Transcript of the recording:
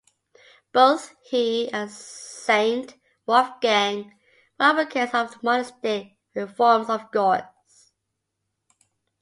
Both he and Saint Wolfgang were advocates of the monastic reforms of Gorze.